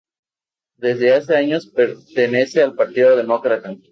Desde hace años pertenece al Partido Demócrata.